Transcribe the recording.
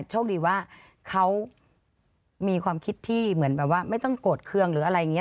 โชคดีว่าเขามีความคิดที่เหมือนแบบว่าไม่ต้องโกรธเครื่องหรืออะไรอย่างนี้